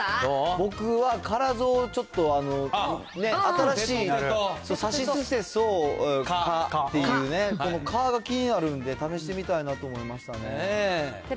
僕は唐三をちょっと新しいさしすせそかっていうね、このかが気になるんで、試してみたいなと思いましたね。